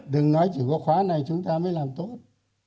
đừng nói chỉ có khóa này chúng ta mới làm tốt